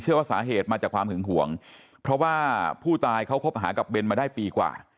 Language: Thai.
ว่าสาเหตุมาจากความหึงห่วงเพราะว่าผู้ตายเขาคบหากับเบนมาได้ปีกว่า